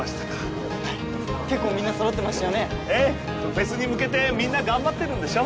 フェスに向けてみんな頑張ってるんでしょ